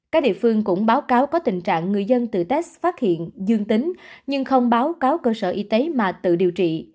các địa phương cũng báo cáo có tình trạng người dân tự test phát hiện dương tính nhưng không báo cáo cơ sở y tế mà tự điều trị